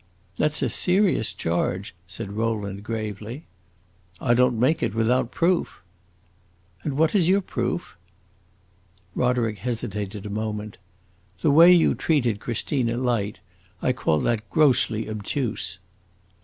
"That 's a serious charge," said Rowland, gravely. "I don't make it without proof!" "And what is your proof?" Roderick hesitated a moment. "The way you treated Christina Light. I call that grossly obtuse."